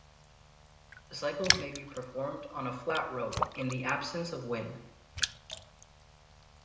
The cycles may be performed on a flat road, in the absence of wind.